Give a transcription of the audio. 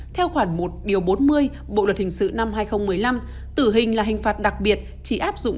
theo khoản một bốn mươi bộ luật hình sự năm hai nghìn một mươi năm tử hình là hình phạt đặc biệt chỉ áp dụng